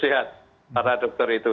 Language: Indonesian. ya para dokter itu